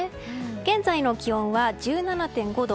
現在の気温は１７．５度。